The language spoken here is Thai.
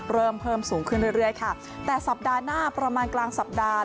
เริ่มเพิ่มสูงขึ้นเรื่อยเรื่อยค่ะแต่สัปดาห์หน้าประมาณกลางสัปดาห์